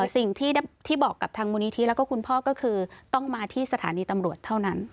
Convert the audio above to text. สิ่งที่บอกกับทางมูลนิธิแล้วก็คุณพ่อก็คือต้องมาที่สถานีตำรวจเท่านั้น